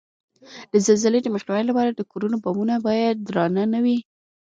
د زلزلې د مخنیوي لپاره د کورو بامونه باید درانه نه وي؟